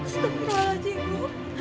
ya allah setengah lagi bu